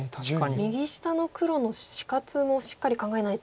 右下の黒の死活もしっかり考えないと。